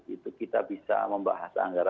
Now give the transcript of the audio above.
itu kita bisa membahas